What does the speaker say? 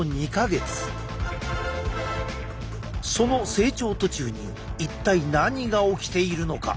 その成長途中に一体何が起きているのか。